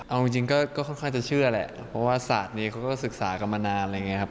เอาจริงก็ค่อนข้างจะเชื่อแหละเพราะว่าศาสตร์นี้เขาก็ศึกษากันมานานอะไรอย่างนี้ครับ